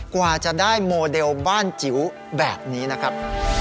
กว่าจะได้โมเดลบ้านจิ๋วแบบนี้นะครับ